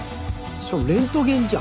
しかもレントゲンじゃん！